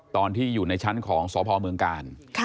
ตอนที่อยู่ในชั้นของสพเมืองกาล